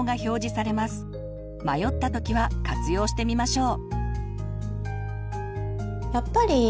迷った時は活用してみましょう。